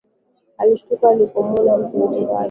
Alishtuka alipomwona mpenzi wake